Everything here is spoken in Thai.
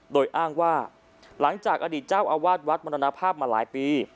โดยอ้างว่าหลังจากอดีตเจ้าอาวาสวัดมรณภาพมาหลายปี